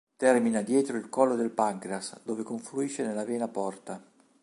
Termina dietro il collo del pancreas dove confluisce nella vena porta.